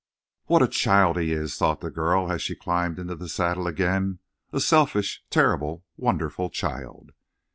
"What a child he is!" thought the girl, as she climbed into the saddle again. "A selfish, terrible, wonderful child!"